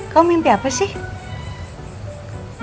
kamu mimpi apa sih